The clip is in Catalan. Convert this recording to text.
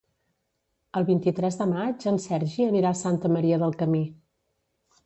El vint-i-tres de maig en Sergi anirà a Santa Maria del Camí.